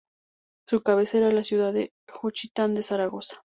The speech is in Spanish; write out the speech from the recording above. Su cabecera es la ciudad de Juchitán de Zaragoza.